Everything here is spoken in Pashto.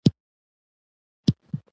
د اوبو څښل د صحت لپاره مهم دي.